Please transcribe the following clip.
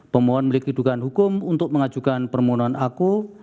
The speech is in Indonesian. permohonan miliki kedudukan hukum untuk mengajukan permohonan aku